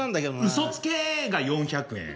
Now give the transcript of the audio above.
「うそつけ！」が４００円。